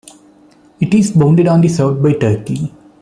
It is bounded on the south by Turkey.